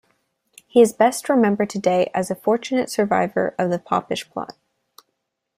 He is best remembered today as a fortunate survivor of the Popish Plot.